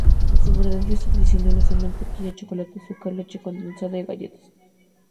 Los ingredientes tradicionales son mantequilla, chocolate, azúcar, leche condensada y galletas.